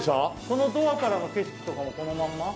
このドアからの景色とかもこのまんま？